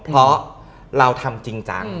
เพราะเราทำจริงจัง